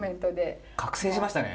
覚醒しましたね。